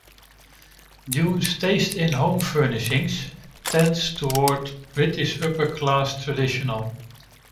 June's taste in home furnishings tends toward British upper class traditional.